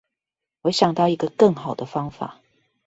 我想到一個更好的方法